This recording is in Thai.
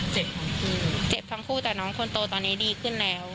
เจ็บทั้งคู่เจ็บทั้งคู่แต่น้องคนโตตอนนี้ดีขึ้นแล้ว